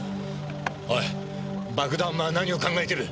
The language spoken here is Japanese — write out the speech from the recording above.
おい爆弾魔は何を考えてる？